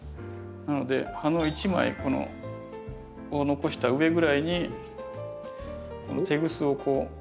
なので葉の１枚このこう残した上ぐらいにこのテグスをこう。